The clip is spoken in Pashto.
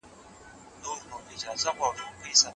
د ساینسي مضامینو لپاره لابراتوارونه کارول کېږي.